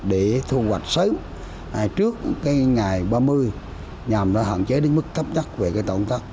để thu hoạch sớm trước ngày ba mươi nhằm hạn chế đến mức cấp nhất về tổng cấp